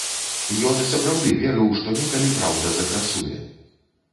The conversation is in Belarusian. Ён і сапраўды верыў, што некалі праўда закрасуе.